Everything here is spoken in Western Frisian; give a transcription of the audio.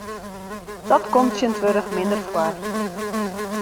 Dat komt tsjintwurdich minder foar.